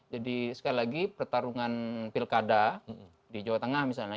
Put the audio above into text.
jadi sekali lagi pertarungan pilkada di jawa tengah misalnya